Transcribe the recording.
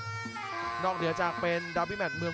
กินอันดีคอมว่าแพทพูน์